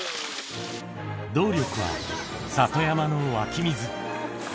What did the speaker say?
動力は里山の湧き水。